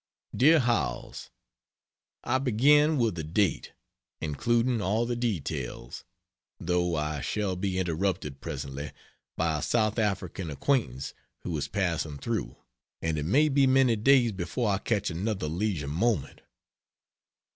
DEAR HOWELLS, I begin with a date including all the details though I shall be interrupted presently by a South African acquaintance who is passing through, and it may be many days before I catch another leisure moment.